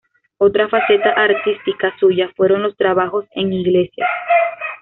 Otra faceta artística suya fueron los trabajos en iglesias.